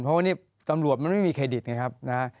เพราะวันนี้ตำรวจมันไม่มีเครดิตไงครับนะ